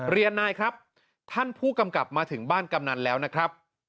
นายครับท่านผู้กำกับมาถึงบ้านกำนันแล้วนะครับ